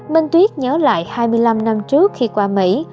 minh tuyết nhớ lại hai mươi năm năm trước khi qua mỹ